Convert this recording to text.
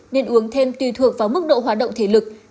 nên uống thêm tùy thuộc vào mức độ hoạt động thể lực